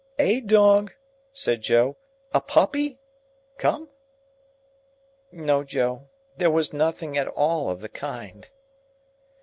"A dog?" said Joe. "A puppy? Come?" "No, Joe, there was nothing at all of the kind."